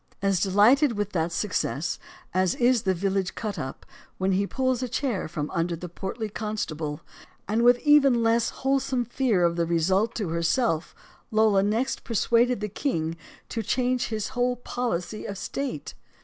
As delighted with that success as is the village cut up when he pulls a chair from under the portly constable and with even less wholesome fear of the result to herself Lola next persuaded the king to change his whole policy of state.